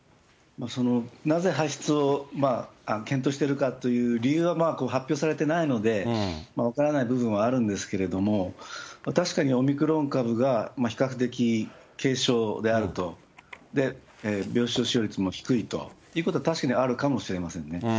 なぜ発出を検討しているかという理由は発表されてないので、分からない部分はあるんですけれども、確かにオミクロン株が比較的軽症であると、病床使用率は低いということは確かにあるかもしれませんね。